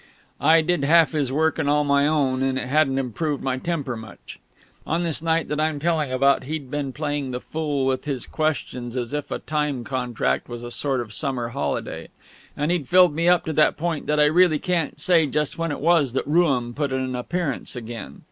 I did half his work and all my own, and it hadn't improved my temper much. On this night that I'm telling about, he'd been playing the fool with his questions as if a time contract was a sort of summer holiday; and he'd filled me up to that point that I really can't say just when it was that Rooum put in an appearance again.